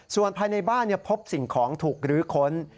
ส่วนภายในบ้านพบสิ่งของถูกรื้อค้น